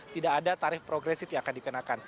tidak ada tarif progresif yang akan dikenakan